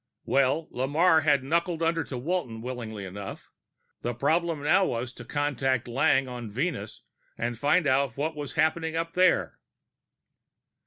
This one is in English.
Well, Lamarre had knuckled under to Walton willingly enough. The problem now was to contact Lang on Venus and find out what was happening up there....